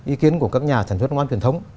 ý kiến của các nhà sản xuất nước mắm truyền thống